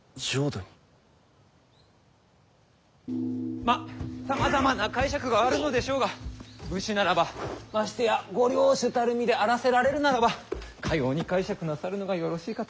まっさまざまな解釈があるのでしょうが武士ならばましてやご領主たる身であらせられるならばかように解釈なさるのがよろしいかと。